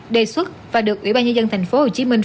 đề xuất và được ủy ban nhà dân thành phố hồ chí minh